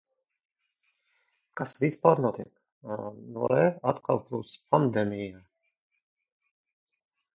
Kas vispār notiek? Nu re, atkal plus pandēmijai.